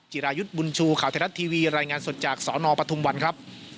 จิรายุทธ์บุญชูข่าวไทยรัฐทีวีรายงานสดจากสนปทุมวันครับ